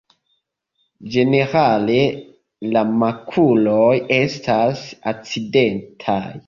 Ĝenerale la makuloj estas acidetaj.